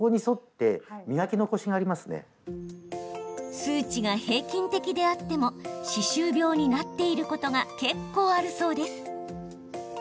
数値が平均的であっても歯周病になっていることが結構あるそうです。